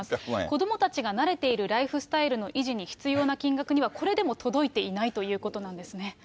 子どもたちが慣れているライフスタイルの維持に必要な金額にはこれでも届いていないということなんですね。